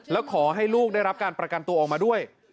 แล้วขอให้ลูกได้รับการประกันตัวออกมาด้วย